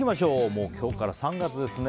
今日から３月ですね。